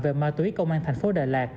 về ma túy công an tp đà lạt